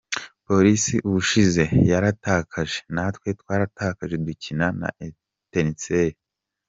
Police ubushize yaratakaje, natwe twaratakaje dukina na Etincelles.